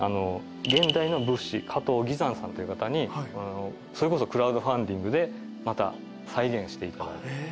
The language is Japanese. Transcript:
現代の仏師加藤巍山さんという方にそれこそクラウドファンディングでまた再現して。